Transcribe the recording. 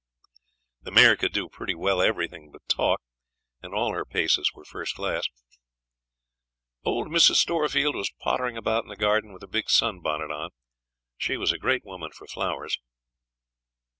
The mare could do pretty well everything but talk, and all her paces were first class. Old Mrs. Storefield was pottering about in the garden with a big sun bonnet on. She was a great woman for flowers.